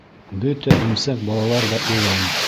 Бөтә имсәк балалар ҙа илай.